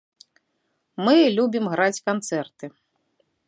Мы любім граць канцэрты.